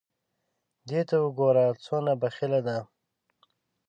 دې ته وګوره څونه بخیله ده !